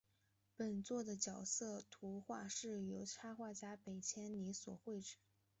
本作的角色图画是由插画家北千里所绘制。